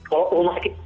kalau rumah sakit